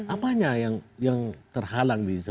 apanya yang terhalang di semakamu